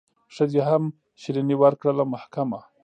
ښځي هم شیریني ورکړله محکمه